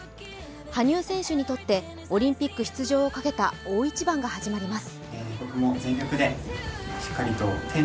羽生選手にとってオリンピック出場をかけた大一番が始まります。